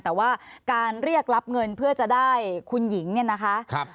แต่ว่าการเรียกรับเงินเพื่อจะได้คุณหญิงเนี่ยนะคะ